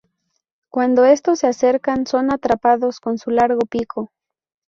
Cuando estos se acercan, son atrapados con su largo pico.